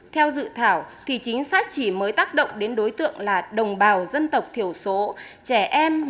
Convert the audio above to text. theo dự thảo thì chính sách chỉ mới tác động đến đối tượng là đồng bào dân tộc thiểu số trẻ em